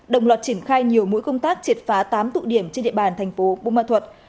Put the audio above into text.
đồng loạt triển khai nhiều mũi công tác triệt phá tám tụ điểm trên địa bàn thành phố bù ma thuật